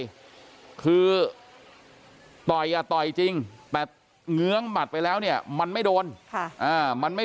ไปคือต่อยต่อยจริงแต่เงื้อมัดไปแล้วเนี่ยมันไม่โดนมันไม่